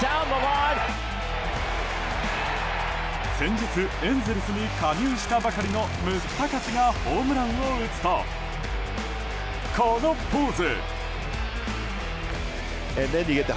先日エンゼルスに加入したばかりのムスタカスがホームランを打つとこのポーズ。